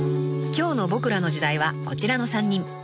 ［今日の『ボクらの時代』はこちらの３人］